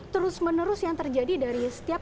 terus menerus yang terjadi dari setiap